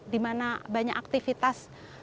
di mana banyak aktivitas